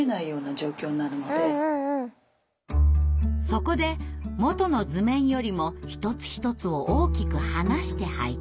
そこで元の図面よりも一つ一つを大きく離して配置。